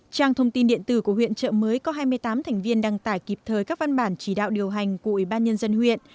trang thông tin điện tử của huyện trợ mới có hai mươi tám thành viên đăng tải kịp thời các văn bản chỉ đạo điều hành của ủy ban nhân dân huyện